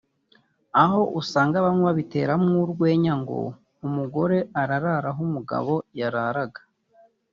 aho usanga bamwe babiteramo urwenya ngo umugore ararara aho umugabo yararaga